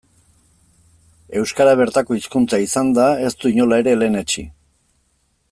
Euskara, bertako hizkuntza izanda, ez du inola ere lehenetsi.